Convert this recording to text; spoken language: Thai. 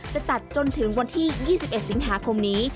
จะจัดจนถึงวันที่๒๑สิงหาคมนี้